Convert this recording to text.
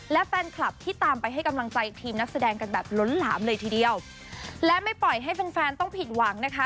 และแฟนคลับที่ตามไปให้กำลังใจทีมนักแสดงกันแบบล้นหลามเลยทีเดียวและไม่ปล่อยให้แฟนแฟนต้องผิดหวังนะคะ